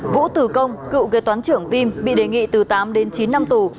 vũ tử công cựu gây toán trưởng vim bị đề nghị từ tám chín năm tù